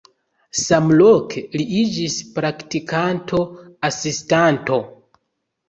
Samloke li iĝis praktikanto, asistanto.